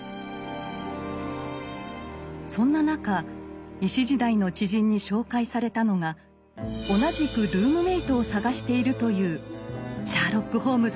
そんな中医師時代の知人に紹介されたのが同じくルームメートを探しているというシャーロック・ホームズでした。